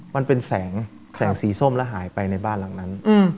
มันเป็นแสงสีส้มแล้วหายไปในบ้านหลังนั้น